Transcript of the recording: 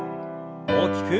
大きく。